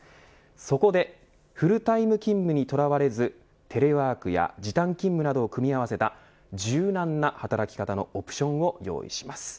そこでフルタイム勤務にとらわれずテレワークや時短勤務などを組み合わせた柔軟な働き方のオプションを用意します。